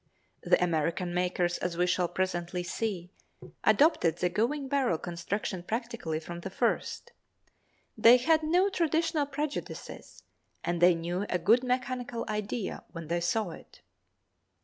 The American makers, as we shall presently see, adopted the "going barrel" construction practically from the first. They had no traditional prejudices, and they knew a good mechanical idea when they saw it.